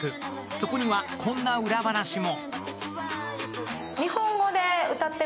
そこにはこんな裏話も。